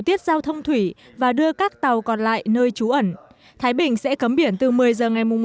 tiết giao thông thủy và đưa các tàu còn lại nơi trú ẩn thái bình sẽ cấm biển từ một mươi giờ ngày